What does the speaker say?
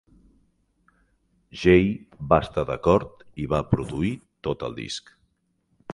Jay va estar d'acord i va produir tot el disc.